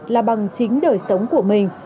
là bằng chính đời sống của mình